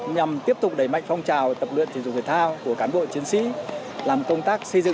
nhằm tiếp tục đẩy mạnh phong trào tập luyện thể dục thể thao của cán bộ chiến sĩ làm công tác xây dựng